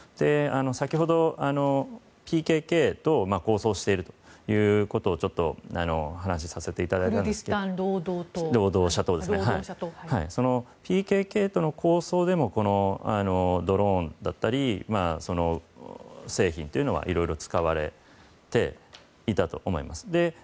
先ほどＰＫＫと抗争しているということを話させていただきましたがＰＫＫとの構想でもドローンだったり製品というのはいろいろ使われていたと思います。